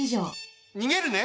にげるね。